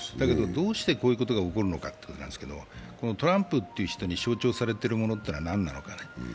どうしてこういうことが起こるのかということですけど、トランプという人に象徴されているものは何だったのか。